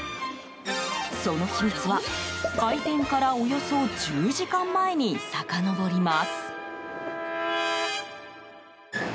その秘密は開店から、およそ１０時間前にさかのぼります。